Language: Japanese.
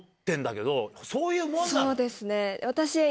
そうですね私。